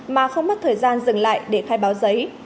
mà không mất thời gian dừng lại để khai báo giấy